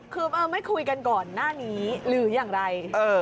คือไม่คุยกันก่อนหน้านี้หรืออย่างไร